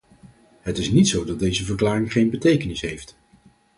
Het is niet zo dat deze verklaring geen betekenis heeft.